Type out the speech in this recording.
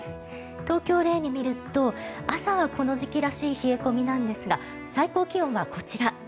東京を例にみると朝はこの時期らしい冷え込みなんですが最高気温はこちら。